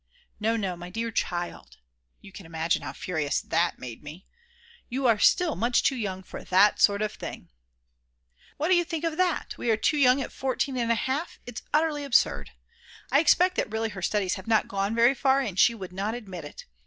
"No, no, my dear child (you can imagine how furious that made me), you are still much too young for that sort of thing." What do you think of that, we are too young at 14 1/2, it's utterly absurd. I expect that really her studies have not gone very far, and she would not admit it.